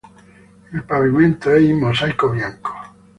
Il pavimento è in mosaico bianco.